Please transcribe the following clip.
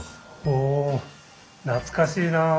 お懐かしいなあ。